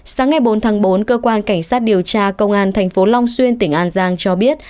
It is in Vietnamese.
sáng ngày bốn tháng bốn cơ quan cảnh sát điều tra công an thành phố long xuyên tỉnh an giang cho biết